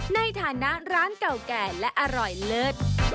ในฐานะร้านเก่าแก่และอร่อยเลิศ